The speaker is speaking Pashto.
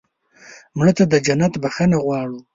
مړه ته د جنت بښنه غواړو